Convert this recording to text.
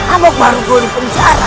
amuk marugul di penjara